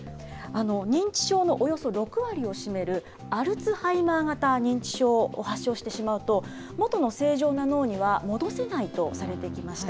認知症のおよそ６割を占めるアルツハイマー型認知症を発症してしまうと、元の正常な脳には戻せないとされてきました。